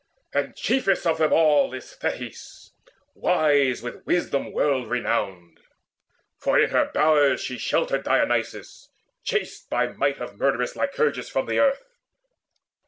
And chiefest of them all is Thetis, wise With wisdom world renowned; for in her bowers She sheltered Dionysus, chased by might Of murderous Lycurgus from the earth.